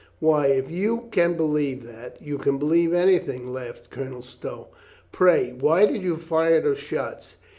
"Why, if you can believe that, you can believe anything," laughed Colonel Stow. "Pray, why did you fire those shots?"